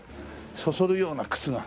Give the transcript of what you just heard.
そそるような靴が。